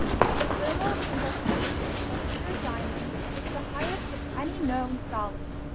The thermal conductivity of pure diamond is the highest of any known solid.